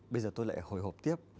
bây giờ tôi lại hồi hộp tiếp